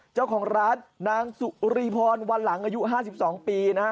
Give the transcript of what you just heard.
เจ้าของร้านนางสุรีพรวันหลังอายุ๕๒ปีนะฮะ